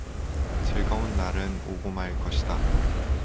즐거운 날은 오고 말 것이다.